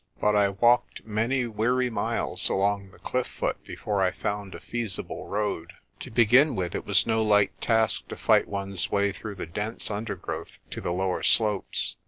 But I walked many weary miles along the cliff foot before I found a feasible road. To begin with, it was no light task to fight one's way through the dense undergrowth of the lower slopes.